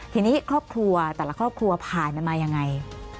ทีนี้ครอบครัวแต่ละครอบครัวผ่านกันมายังไง